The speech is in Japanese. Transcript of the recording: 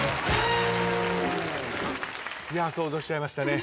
想像しちゃいましたね。